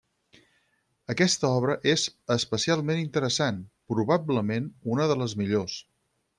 Aquesta obra és especialment interessant, probablement una de les millors.